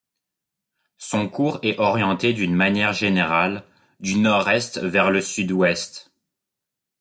Son cours est orienté d'une manière générale du nord-est vers le sud-ouest.